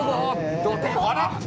「笑って」